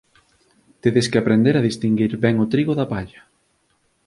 Tedes que aprender a distinguir ben o trigo da palla.